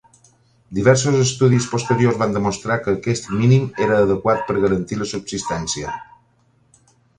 Diversos estudis posteriors van demostrar que aquest mínim era adequat per garantir la subsistència.